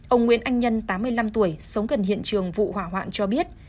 ông nguyễn anh nhân tám mươi năm tuổi sống gần hiện trường vụ hỏa hoạn cho biết